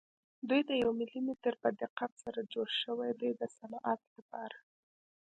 دوی د یو ملي متر په دقت سره جوړ شوي دي د صنعت لپاره.